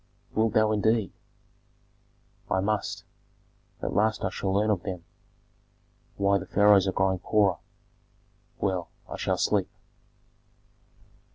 "Wilt thou indeed?" "I must. At last I shall learn of them why the pharaohs are growing poorer. Well, I shall sleep."